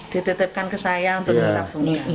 dititipkan ke saya untuk menabung